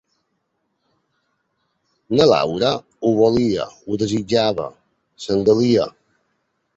La Laura, ho volia, ho desitjava, se'n delia.